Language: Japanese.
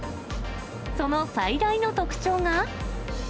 その最大の特徴が。